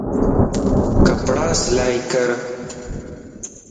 ڪپڙا سلائي ڪر